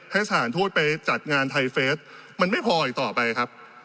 สถานทูตไปจัดงานไทเฟสมันไม่พออีกต่อไปครับ